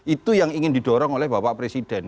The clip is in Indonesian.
itu yang ingin didorong oleh bapak presiden